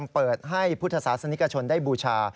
เปิดให้พุทธศาสนิกชนได้บูชา